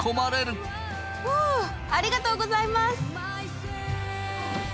フウありがとうございます！